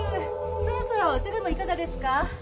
そろそろお茶でもいかがですか？